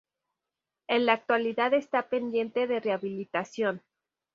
En la actualidad está pendiente de rehabilitación.